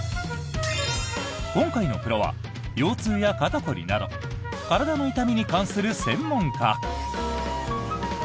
今回のプロは、腰痛や肩凝りなど体の痛みに関する専門家。